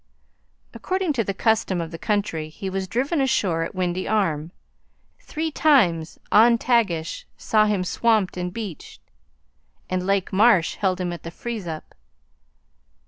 According to the custom of the country, he was driven ashore at Windy Arm; three times on Tagish saw him swamped and beached; and Lake Marsh held him at the freeze up.